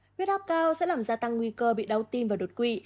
nguyết áp cao sẽ làm ra tăng nguy cơ bị đau tim và đột quỵ